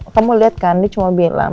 kamu lihat kan dia cuma bilang